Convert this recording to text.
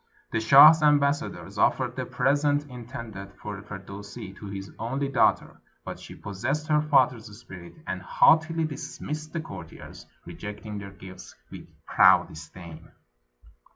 The shah's ambassadors offered the presents intended for Firdusi to his only daughter, but she possessed her father's spirit, and haughtily dismissed the courtiers, rejecting their gifts with proud disdain.